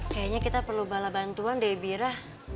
kayanya kita perlu bala bantuan deh bira